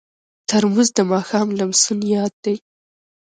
ترموز د ماښام لمسون یاد دی.